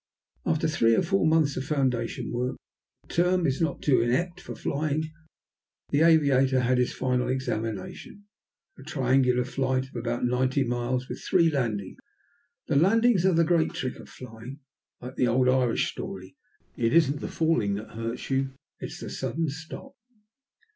After the three or four months of foundation work, if the term is not too inept for flying, the aviator had his final examination, a triangular flight of about ninety miles, with three landings. The landings are the great trick of flying. Like the old Irish story, it isn't the falling that hurts you, it's the sudden stop.